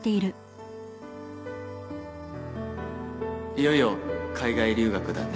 いよいよ海外留学だね